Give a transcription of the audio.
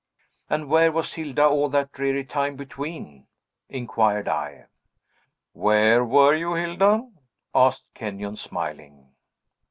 "And where was Hilda all that dreary time between?" inquired I. "Where were you, Hilda?" asked Kenyon, smiling.